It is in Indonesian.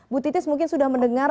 bu titis mungkin sudah mendengar